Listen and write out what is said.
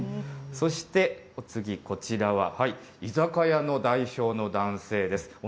そして、お次、こちらは居酒屋の代表の男性です。